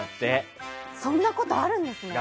そんなことあるんですね。